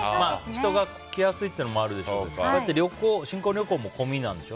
人が来やすいっていうのもあるでしょうし。